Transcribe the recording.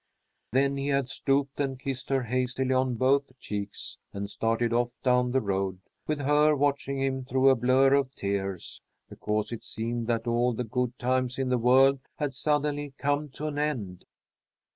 Then he had stooped and kissed her hastily on both cheeks, and started off down the road, with her watching him through a blur of tears, because it seemed that all the good times in the world had suddenly come to an end.